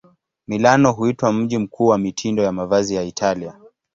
Milano huitwa mji mkuu wa mitindo ya mavazi ya Italia.